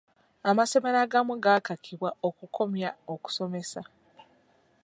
Amasomero agamu gaakakibwa okukomya okusomesa.